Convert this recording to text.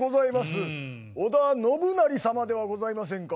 織田信成様ではございませんか。